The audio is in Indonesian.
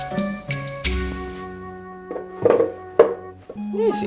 jangan lupa subscribe